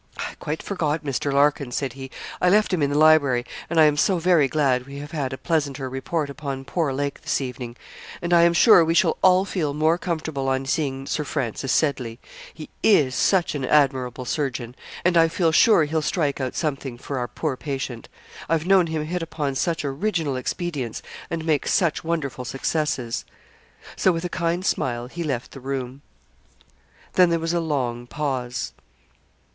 'I quite forgot Mr. Larkin,' said he; 'I left him in the library, and I am so very glad we have had a pleasanter report upon poor Lake this evening; and I am sure we shall all feel more comfortable on seeing Sir Francis Seddley. He is such an admirable surgeon; and I feel sure he'll strike out something for our poor patient. I've known him hit upon such original expedients, and make such wonderful successes.' So with a kind smile he left the room. Then there was a long pause.